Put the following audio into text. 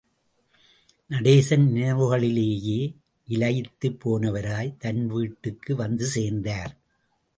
நடேசன் நினைவுகளிலேயே இலயித்துப் போனவராய், தன் வீட்டுக்கு வந்துசேர்ந்தார்.